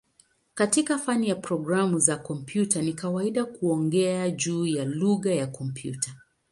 Katika fani ya programu za kompyuta ni kawaida kuongea juu ya "lugha ya kompyuta".